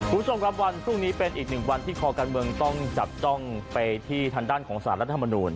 คุณผู้ชมรับวันพรุ่งนี้เป็นอีก๑วันที่ครอบครัฐเมืองต้องจัดต้องไปที่ทางด้านสาตรกันธรรมนุน